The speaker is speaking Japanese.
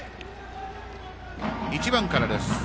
１番からです。